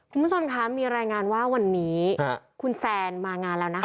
คุณผู้ชมคะมีรายงานว่าวันนี้คุณแซนมางานแล้วนะคะ